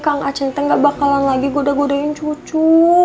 kang acing teh gak bakalan lagi goda godain cucu